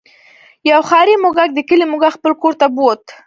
یو ښاري موږک د کلي موږک خپل کور ته بوت.